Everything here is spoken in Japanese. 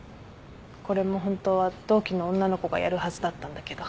これも本当は同期の女の子がやるはずだったんだけど。